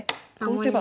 打てば。